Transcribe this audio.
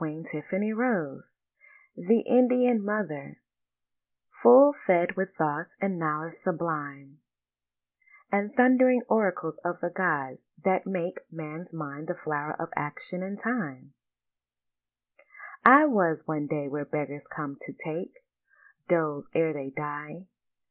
THE INDIAN MOTHER Full fed with thoughts and knowledges sublime, And thundering oracles of the gods, that make Man's mind the flower of action and of time, I was one day where beggars come to take Doles ere they die.